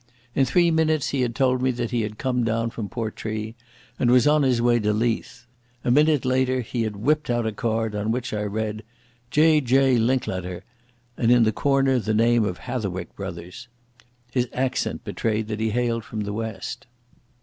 In three minutes he had told me that he had come down from Portree and was on his way to Leith. A minute later he had whipped out a card on which I read "J. J. Linklater", and in the corner the name of Hatherwick Bros. His accent betrayed that he hailed from the west.